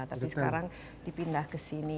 tapi sekarang dipindah ke sini